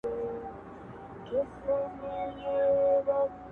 مسجد نبوي شین ګنبد ښکاره شي